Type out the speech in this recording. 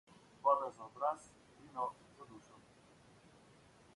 Voda za obraz, vino za dušo.